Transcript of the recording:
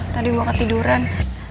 tadi gue mau ketiduran